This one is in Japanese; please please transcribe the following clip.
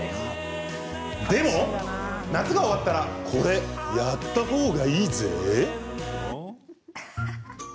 でも夏が終わったらこれやったほうがいいぜ。